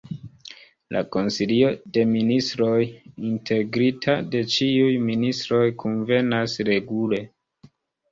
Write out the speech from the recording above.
La Konsilio de Ministroj, integrita de ĉiuj ministroj, kunvenas regule.